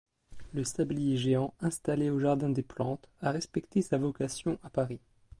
Le sablier géant installé au Jardin des plantes a respecté sa vocation à Paris.